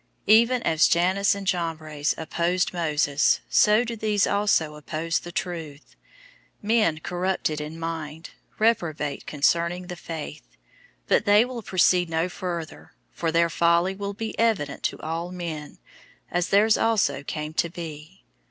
003:008 Even as Jannes and Jambres opposed Moses, so do these also oppose the truth; men corrupted in mind, reprobate concerning the faith. 003:009 But they will proceed no further. For their folly will be evident to all men, as theirs also came to be.